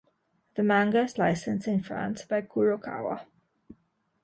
The manga is licensed in France by Kurokawa.